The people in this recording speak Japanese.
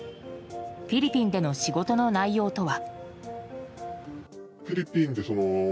フィリピンでの仕事の内容とは。